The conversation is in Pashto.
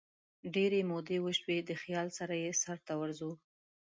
ډیري مودې وشوي دخیال سره یې سرته ورځو